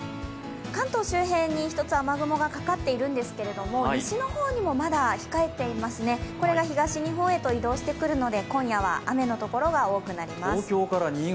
関東周辺に一つ雨雲がかかっているんですけれども西の方にもまだ控えていますね、これが東日本へ移動してきますので今夜は雨のところが多くなります。